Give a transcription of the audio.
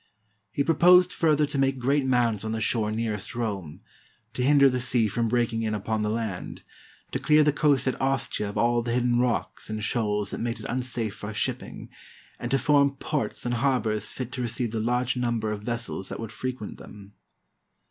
He proposed further to make great mounds on the shore nearest Rome, to hinder the sea from breaking in upon the land, to clear the coast at Ostia of all the hidden rocks and shoals that made it unsafe for shipping, and to form ports and harbors fit to receive the large number of vessels that would frequent them.